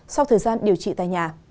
sau thời gian điều trị tại nhà